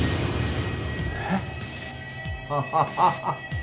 えっ？ハハハ。